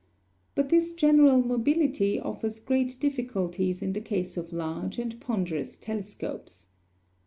But this general mobility offers great difficulties in the case of large and ponderous telescopes.